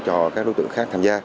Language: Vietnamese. cho các đối tượng khác tham gia